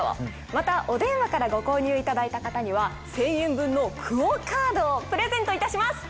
またお電話からご購入いただいた方には１０００円分のＱＵＯカードをプレゼントいたします。